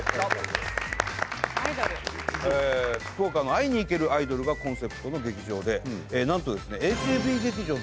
福岡の「会いに行けるアイドル」がコンセプトの劇場でなんとですねえっ？